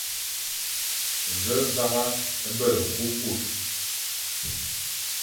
Ve vagha bere okukur,